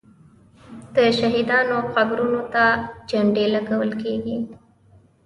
د شهیدانو قبرونو ته جنډې لګول کیږي.